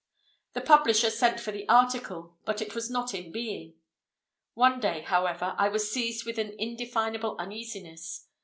The publisher sent for the article, but it was not in being. One day, however, I was seized with an indefinable uneasiness.